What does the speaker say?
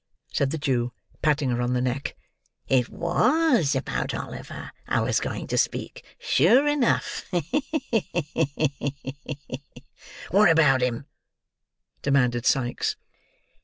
said the Jew, patting her on the neck. "It was about Oliver I was going to speak, sure enough. Ha! ha! ha!" "What about him?" demanded Sikes.